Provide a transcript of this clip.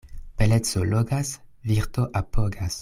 Beleco logas, virto apogas.